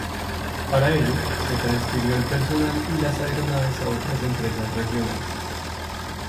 Para ello, se transfirió el personal y las aeronaves a otras empresas regionales.